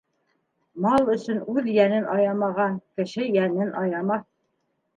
Мал өсөн үҙ йәнен аямаған, кеше йәнен аямаҫ.